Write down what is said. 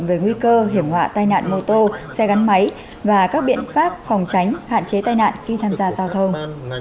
về nguy cơ hiểm họa tai nạn mô tô xe gắn máy và các biện pháp phòng tránh hạn chế tai nạn khi tham gia giao thông